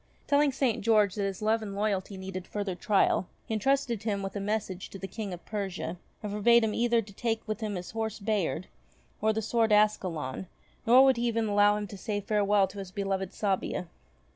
Telling St. George that his love and loyalty needed further trial, he entrusted him with a message to the King of Persia, and forbade him either to take with him his horse Bayard or his sword Ascalon ; nor would he even allow him to say farewell to his beloved Sabia.